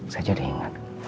saya jadi ingat